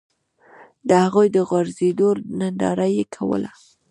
د هغوی د غورځېدو ننداره یې کوله.